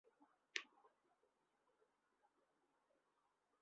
এ সফরে নিয়মিত উইকেট-রক্ষকের ঘাটতি ছিল।